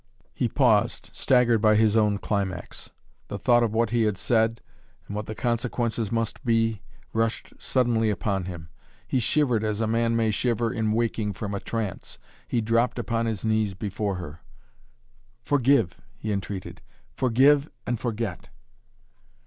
He paused, staggered by his own climax. The thought of what he had said and what the consequences must be, rushed suddenly upon him. He shivered as a man may shiver in waking from a trance. He dropped upon his knees before her. "Forgive," he entreated. "Forgive and forget!"